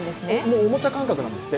おもちゃ感覚なんですって。